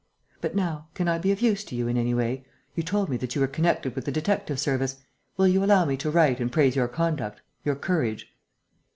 But now, can I be of use to you in any way? You told me that you were connected with the detective service.... Will you allow me to write and praise your conduct, your courage?"